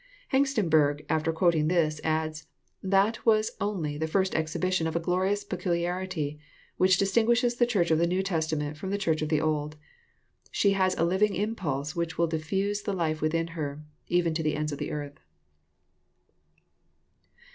Hengstenberg, after qaoting this, adds, '*That was only the first exhibition of a glorioas peculiarity which dis tingalshes the Church of the New Testament from the Church of the Old. She has a living impulse which will diffiise the life within her, even to the ends of the earth."